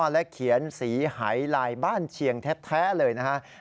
และเขียนสีหายลายบ้านเชียงแท้เลยนะครับ